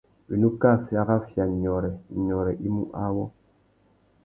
Winú kā farafia nyôrê, nyôrê i mú awô.